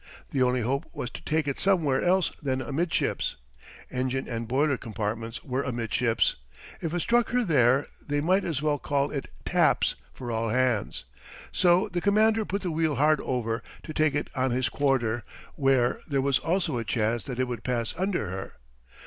The only hope was to take it somewhere else than amidships. Engine and boiler compartments were amidships. If it struck her there they might as well call it taps for all hands. So the commander put the wheel hard over to take it on his quarter, where there was also a chance that it would pass under her.